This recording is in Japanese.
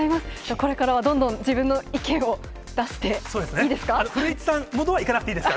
これからはどんどん自分の意見を出していいですか？